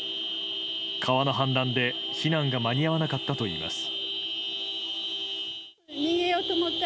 川の氾濫で避難が間に合わなかったといいます。